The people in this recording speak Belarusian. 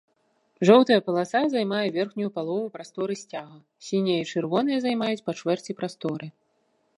Жоўтая паласа займае верхнюю палову прасторы сцяга, сіняя і чырвоная займаюць па чвэрці прасторы.